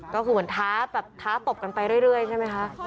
ก็คือเหมือนท้าแบบท้าตบกันไปเรื่อยใช่ไหมคะ